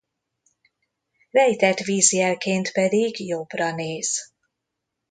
Rejtett vízjelként pedig jobbra néz.